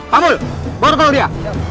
kamul bortol dia